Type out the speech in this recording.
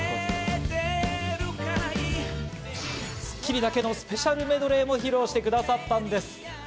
『スッキリ』だけのスペシャルメドレーも披露してくださったんです。